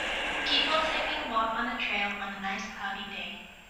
People taking a walk on a trail on a nice cloudy day.